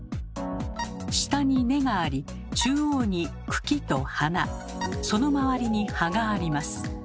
下に根があり中央に茎と花そのまわりに葉があります。